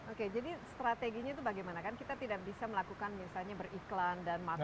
oke jadi strateginya itu bagaimana kan kita tidak bisa melakukan misalnya beriklan dan matang